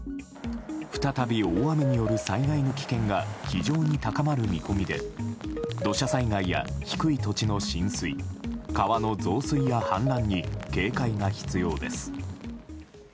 再び大雨による災害の危険が非常に高まる見込みで土砂災害や低い土地の浸水川の増水や氾濫に警戒が必要です。